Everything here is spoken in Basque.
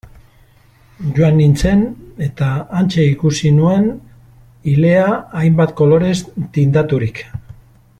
Joan nintzen eta hantxe ikusi nuen ilea hainbat kolorez tindaturik...